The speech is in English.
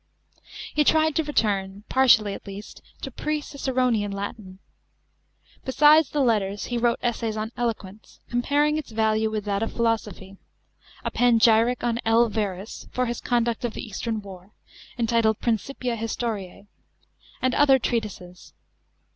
He tried to return, partially at least, to pre Ciceronian Latin. Besides the Letters, he wrote essays on eloquence, comparing its value with that of philosophy ; a panegyric on L. Verus, for his conduct of the eastern war, entitled Principia Historise, and other treatises.